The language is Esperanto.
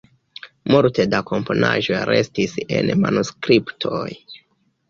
Multe da komponaĵoj restis en manuskriptoj.